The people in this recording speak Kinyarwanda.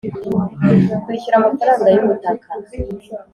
Kwishyura amafaranga yubutaka